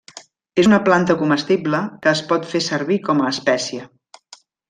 És una planta comestible que es pot fer servir com a espècia.